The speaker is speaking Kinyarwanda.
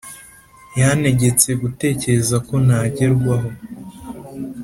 yantegetse gutekereza ko ntagerwaho